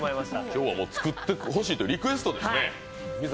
今日は作ってほしいとリクエストですね。